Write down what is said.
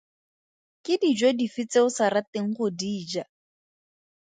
Ke dijo dife tse o sa rateng go di ja?